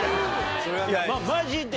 マジで！